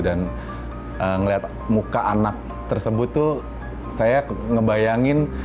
dan melihat muka anak tersebut tuh saya ngebayangin